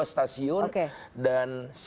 dua stasiun dan